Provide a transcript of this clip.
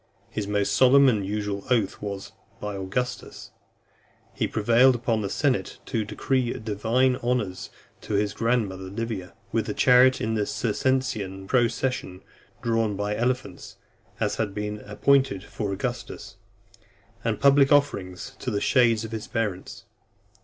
His most solemn and usual oath was, "By Augustus." He prevailed upon the senate to decree divine honours to his grandmother Livia, with a chariot in the Circensian procession drawn by elephants, as had been appointed for Augustus ; and public offerings to the shades of his parents.